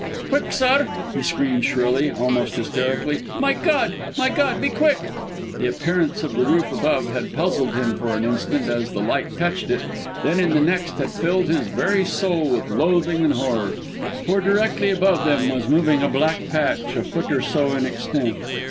"Quick, sir!" he screamed shrilly, almost hysterically. "My God! my God! be quick!" The appearance of the roof above had puzzled him for an instant as the light touched it, then in the next had filled his very soul with loathing and horror. For directly above them was moving a black patch, a foot or so in extent